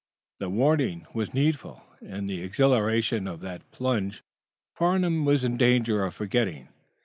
The warning was needful. In the exhilaration of that plunge Farnum was in danger of forgetting.